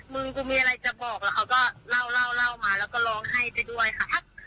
มึงกูมีอะไรจะบอกแล้วเขาก็เล่าเล่ามาแล้วก็ร้องไห้ไปด้วยค่ะ